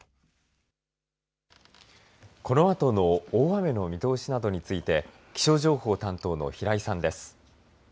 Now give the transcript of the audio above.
このあとの大雨の見通しなどについて気象情報担当の平井さんです。